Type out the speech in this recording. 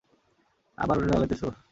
আবার অরে জালাইতাছো!